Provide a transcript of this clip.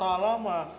dan allah swt mah